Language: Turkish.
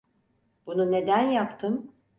Bunu neden yaptım?